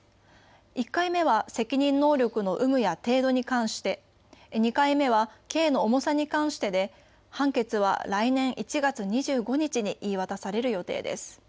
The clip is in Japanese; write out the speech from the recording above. １回目は責任能力の有無や程度に関して、２回目は刑の重さに関してで判決は来年１月２５日に言い渡される予定です。